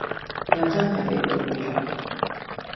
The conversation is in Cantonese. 又真係俾佢估中